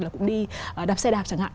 là cũng đi đạp xe đạp chẳng hạn